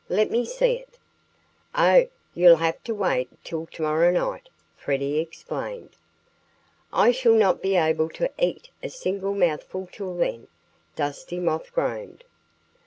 Let me see it!" "Oh! You'll have to wait till to morrow night," Freddie explained. "I shall not be able to eat a single mouthful till then!" Dusty Moth groaned.